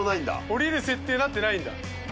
降りる設定になってないんだ。